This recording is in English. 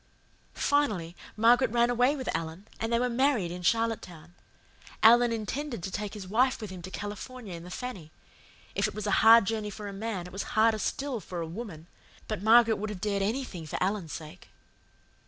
"Finally, Margaret ran away with Alan, and they were married in Charlottetown. Alan intended to take his wife with him to California in the Fanny. If it was a hard journey for a man it was harder still for a woman, but Margaret would have dared anything for Alan's sake.